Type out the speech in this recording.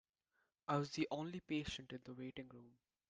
I was the only patient in the waiting room.